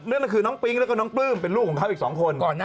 นั่นก็คือน้องปิ๊งแล้วก็น้องปลื้มเป็นลูกของเขาอีก๒คน